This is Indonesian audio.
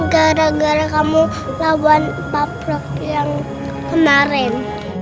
gara gara kamu lawan paplok yang kemarin